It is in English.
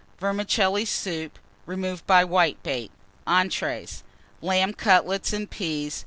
Vermicelli Soup, removed by Whitebait. Entrées. Lamb Cutlets and Peas.